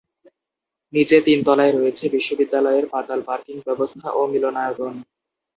নিচে তিন তলায় রয়েছে বিশ্ববিদ্যালয়ের পাতাল পার্কিং ব্যবস্থা ও মিলনায়তন।